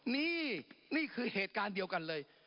นี่นี่คือเหตุการณ์เดียวกันเลย